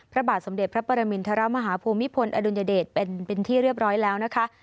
พระบาทสมเด็จพระปรมินทรมาฮภูมิพลอดุลยเดชเป็นที่เรียบร้อยแล้วนะคะ